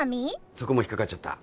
そこも引っかかっちゃった？